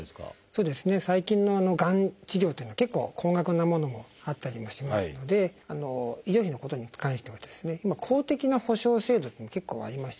そうですね最近のがん治療というのは結構高額なものもあったりもしますので医療費のことに関してはですね今公的な保障制度っていうのが結構ありましてですね